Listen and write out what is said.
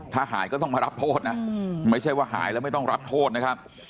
ถ้าหายก็ต้องมารับโทษนะไม่ใช่ว่าหายแล้วไม่ต้องรับโทษนะครับ